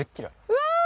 うわ！